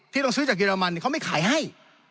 ต้องซื้อจากเรมันเขาไม่ขายให้